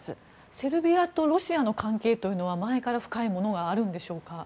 セルビアとロシアの関係というのは前から深いものがあるんでしょうか。